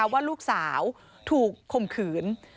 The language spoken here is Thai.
ว่าลูกสาวถูกข่มขืน